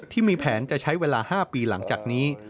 ที่มีแผนจะใช้เวลา๕ปีหลังจากนี้